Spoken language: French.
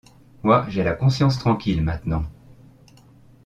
Moi, j'ai la conscience tranquille, maintenant.